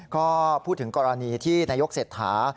ก็พูดถึงกรณีที่นายกเศรษฐา